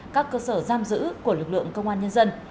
các cơ sở giam giữ của lực lượng công an nhân dân